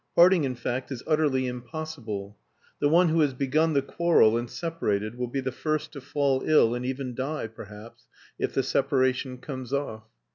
Parting, in fact, is utterly impossible. The one who has begun the quarrel and separated will be the first to fall ill and even die, perhaps, if the separation comes off.